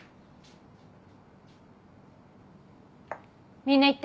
みんな行って。